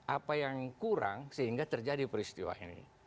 apa yang kurang sehingga terjadi peristiwa ini